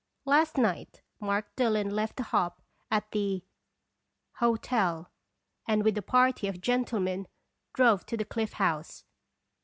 Last night, Mark Dillon left the hop at the Hotel, and with a party of gentlemen drove to the Cliff House.